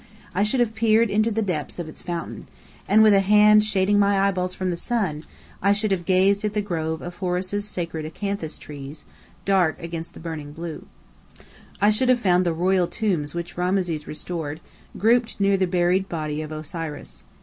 I should have peered into the depths of its fountain; and with a hand shading my eyeballs from the sun I should have gazed at the grove of Horus' sacred acanthus trees, dark against the burning blue. I should have found the Royal tombs which Rameses restored, grouped near the buried body of Osiris.